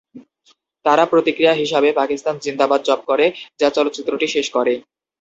তারা প্রতিক্রিয়া হিসাবে "পাকিস্তান জিন্দাবাদ" জপ করে, যা চলচ্চিত্রটি শেষ করে।